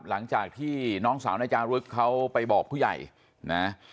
หลังจากที่น้องสาวนายจารึกเขาไปบอกผู้ใหญ่นะ